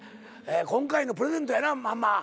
今回のプレゼントやなまんま。